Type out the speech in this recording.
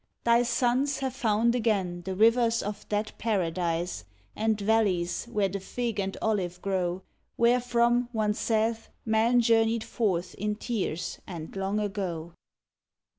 Thy sons have found Again the rivers of that Paradise And valleys where the fig and olive grow, Wherefrom, one saith, Man journeyed forth in tears, and long ago.